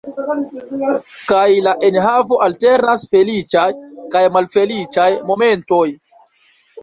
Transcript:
Kaj en la enhavo alternas feliĉaj kaj malfeliĉaj momentoj.